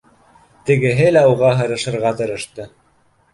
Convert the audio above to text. Тегеһе лә уға һырышырға тырышты